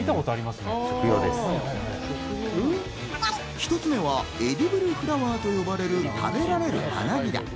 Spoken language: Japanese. １つ目はエディブルフラワーと呼ばれる食べられる花びら。